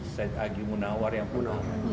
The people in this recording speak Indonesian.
saya agih menawar yang pun